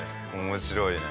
面白いね。